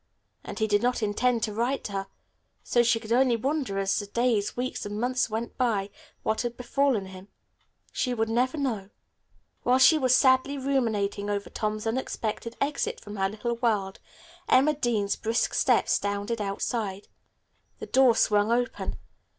And he did not intend to write to her, so she could only wonder as the days, weeks and months went by what had befallen him. She would never know. While she was sadly ruminating over Tom's unexpected exit from her little world, Emma Dean's brisk step sounded outside. The door swung open.